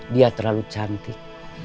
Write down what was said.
dia terlalu cantik